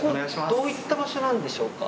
どういった場所なんでしょうか？